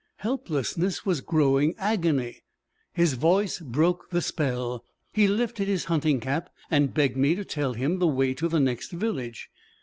Helplessness was growing agony. His voice broke the spell. He lifted his hunting cap, and begged me to tell him the way to the next village.